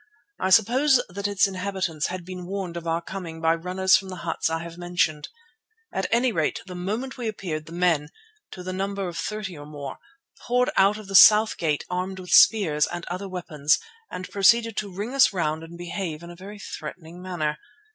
I suppose that its inhabitants had been warned of our coming by runners from the huts I have mentioned. At any rate the moment we appeared the men, to the number of thirty or more, poured out of the south gate armed with spears and other weapons and proceeded to ring us round and behave in a very threatening manner.